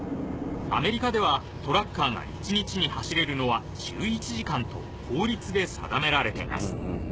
アメリカではトラッカーが１日に走れるのは１１時間と法律で定められています